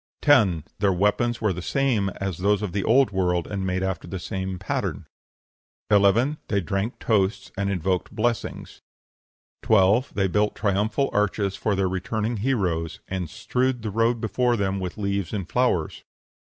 10. Their weapons were the same as those of the Old World, and made after the same pattern. 11. They drank toasts and invoked blessings. 12. They built triumphal arches for their returning heroes, and strewed the road before them with leaves and flowers.